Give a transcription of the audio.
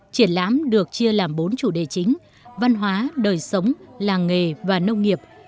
triển lãm được chia làm bốn chủ đề chính văn hóa đời sống làng nghề và nông nghiệp